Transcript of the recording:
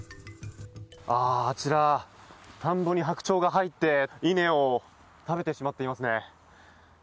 あちら、田んぼにハクチョウが入って稲を食べてしまっていますね。